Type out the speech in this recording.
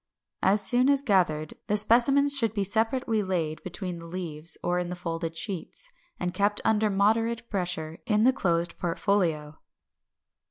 As soon as gathered, the specimens should be separately laid between the leaves or in the folded sheets, and kept under moderate pressure in the closed portfolio.